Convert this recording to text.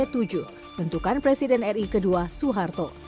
tentukan presiden ri kedua soeharto